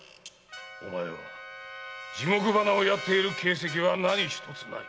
お前は地獄花をやっている形跡は何ひとつない。